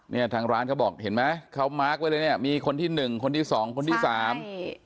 เนี่ยทางร้านเขาบอกเห็นไหมเขามาร์คไว้เลยเนี่ยมีคนที่หนึ่งคนที่สองคนที่สามนี่